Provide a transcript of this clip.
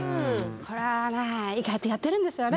これはね意外とやってるんですよね